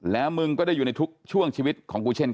แล้วมึงก็ได้อยู่ในทุกช่วงชีวิตของกูเช่นกัน